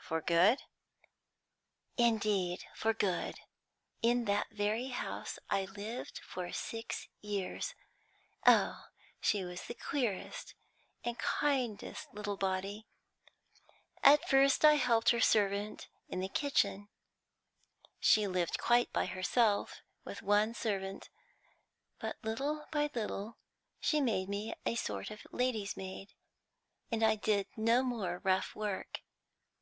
"For good?" "Indeed, for good. In that very house I lived for six years. Oh; she was the queerest and kindest little body! At first I helped her servant in the kitchen, she lived quite by herself, with one servant, but little by little she made me a sort of lady's maid, and I did no more rough work.